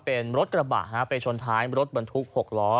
เป็นรถกระบะไปชนท้ายรถบรรทุก๖ล้อ